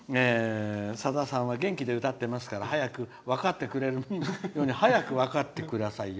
さださんは元気で歌ってますから早く分かってくれるよ早く分かってくださいよ